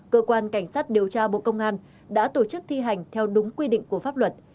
cơ quan cảnh sát điều tra bộ công an đã tổ chức thi hành theo đúng quy định của pháp luật